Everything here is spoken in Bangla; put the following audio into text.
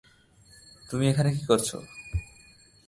তুমি এখানে কী করছো?